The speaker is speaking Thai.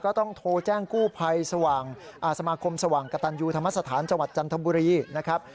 ก็ต้องโทรแจ้งกู้ภัยสมาคมสว่างกระตันยูธรรมสถานจังหวัดจันทบุรีนะครับ